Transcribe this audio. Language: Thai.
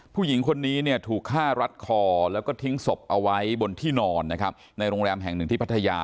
ผู้หญิงคนนี้เนี่ยถูกฆ่ารัดคอแล้วก็ทิ้งศพเอาไว้บนที่นอนนะครับในโรงแรมแห่งหนึ่งที่พัทยา